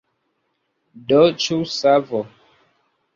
Do, ĉu savo?